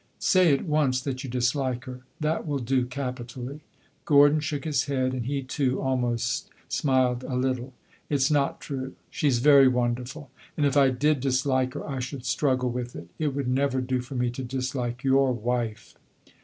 "Say at once that you dislike her! That will do capitally." Gordon shook his head, and he, too, almost smiled a little. "It 's not true. She 's very wonderful. And if I did dislike her, I should struggle with it. It would never do for me to dislike your wife!"